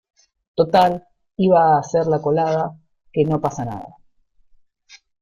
total, iba a hacer la colada. que no pasa nada .